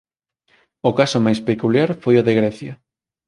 O caso máis peculiar foi o de Grecia.